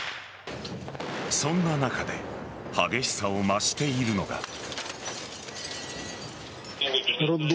そんな中で激しさを増しているのが。